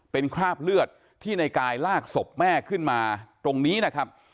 เป็นคราบเลือดที่ในกายลากศพแม่ขึ้นมาตรงนี้นะครับ